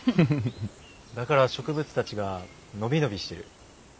だから植物たちが伸び伸びしてる。